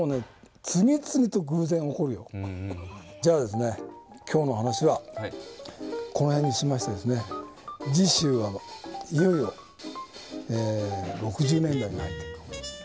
じゃあですね今日の話はこの辺にしまして次週はいよいよ６０年代に入っていく事になりますので。